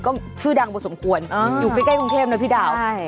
ก็ชื่อดังพอสมควรอยู่ใกล้กรุงเทพนะพี่ดาว